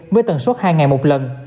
với tần suốt hai ngày một lần